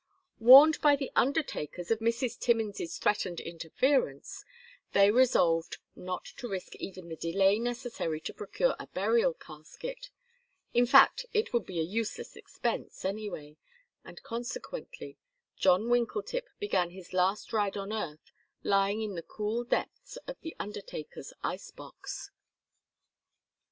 Warned by the undertakers of Mrs. Timmins' threatened interference, they resolved not to risk even the delay necessary to procure a burial casket; in fact it would be a useless expense, anyway, and consequently John Winkletip began his last ride on earth lying in the cool depths of the undertaker's ice box.